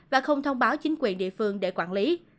và không thông báo chính quyền địa phương để quản lý